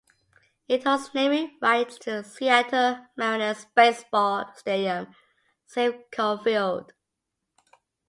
It holds naming rights to the Seattle Mariners' baseball stadium, Safeco Field.